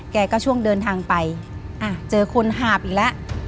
แกก็ช่วงเดินทางไปอ่าเจอคนหาบอีกแล้ว